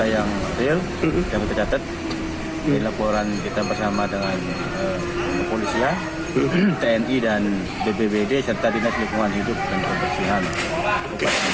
yang tercatat di laporan kita bersama dengan polisi tni dan bpbd serta dinas lingkungan hidup